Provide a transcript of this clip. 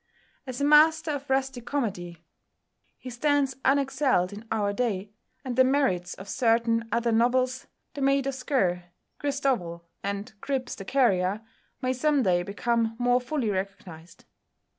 As a master of rustic comedy he stands unexcelled in our day, and the merits of certain other novels "The Maid of Sker," "Christowell" and "Cripps the Carrier" may some day become more fully recognised.